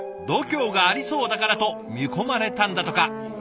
度胸がありそうだからと見込まれたんだとか。